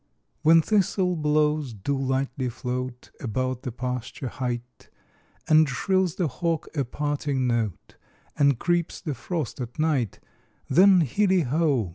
When thistle blows do lightly float About the pasture height, And shrills the hawk a parting note, And creeps the frost at night, Then hilly ho!